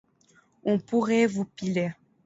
On pourrait vous piller.